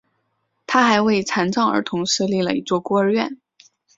他还为残障儿童设立了一所孤儿院。